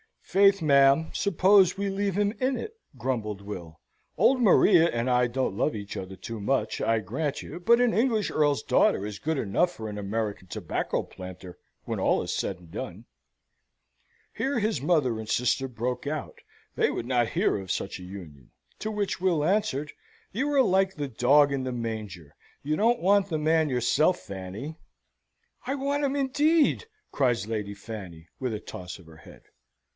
"Faith, ma'am, suppose we leave him in it?" grumbled Will. "Old Maria and I don't love each other too much, I grant you; but an English earl's daughter is good enough for an American tobacco planter, when all is said and done." Here his mother and sister broke out. They would not hear of such a union. To which Will answered, "You are like the dog in the manger. You don't want the man yourself, Fanny" "I want him, indeed!" cries Lady Fanny, with a toss of her head.